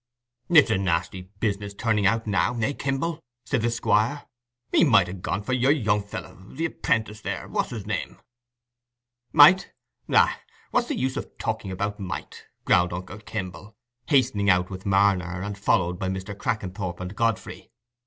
"It's a nasty business turning out now, eh, Kimble?" said the Squire. "He might ha' gone for your young fellow—the 'prentice, there—what's his name?" "Might? aye—what's the use of talking about might?" growled uncle Kimble, hastening out with Marner, and followed by Mr. Crackenthorp and Godfrey.